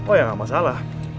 oh ya gak masalah